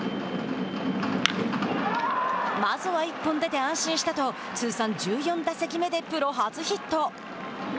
まずは一本出て安心したと通算１４打席目でプロ初ヒット。